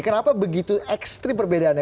kenapa begitu ekstri perbedaannya